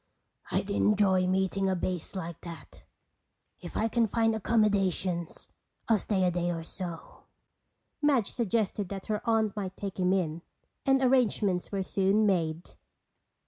"I'd enjoy meeting a bass like that. If I can find accommodations I'll stay a day or so." Madge suggested that her aunt might take him in, and arrangements were soon made.